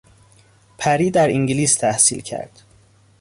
پری در انگلیس تحصیل کرد.